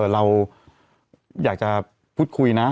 เราอยากจะพูดคุยนะ